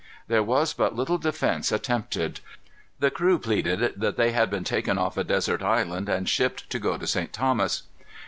There was but little defence attempted. The crew pleaded that they had been taken off a desert island, and shipped to go to St. Thomas.